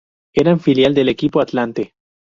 Eran filial del equipo Atlante.